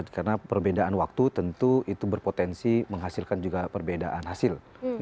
karena perbedaan waktu tentu itu berpotensi menghasilkan juga perbedaan hasil